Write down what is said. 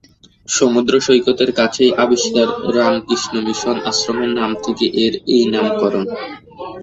সমুদ্র সৈকতের কাছেই অবস্থিত রামকৃষ্ণ মিশন আশ্রমের নাম থেকে এর এই নামকরণ।